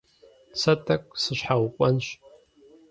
Сэ тӀэкӀу сыщхьэукъуэнщ.